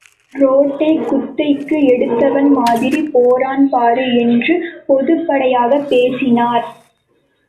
ரோட்டைக் குத்தகைக்கு எடுத்தவன் மாதிரி போறான் பாரு என்று பொதுப்படையாகப் பேசினார்.